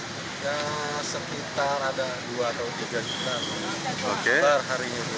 ya sekitar ada dua atau tiga juta perharinya